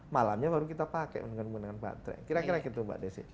malamnya baru kita pakai dengan menggunakan baterai kira kira gitu mbak desi